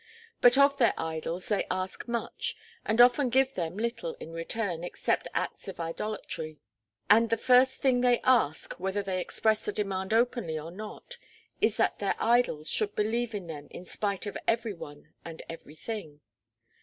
But of their idols they ask much, and often give them little in return except acts of idolatry. And the first thing they ask, whether they express the demand openly or not, is that their idols should believe in them in spite of every one and everything.